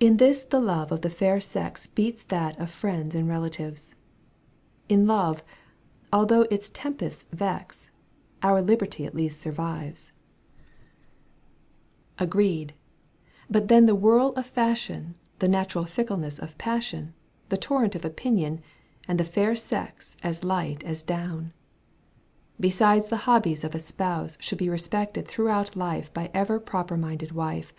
In this the love of the fair sex Beats that of Mends and relatives : In love, although its tempests vex. Our liberty at least survives : Digitized by VjOOQ 1С 108 EUGENE ON^GUINR gaotjo iv. Agreed ! but then the whirl of fashion, The natural fickleness of passion, л The torrent of opinion, r And the fair sex as light as down ! Besides the hobbies of a spouse Should be respected throughout life By every proper minded wife.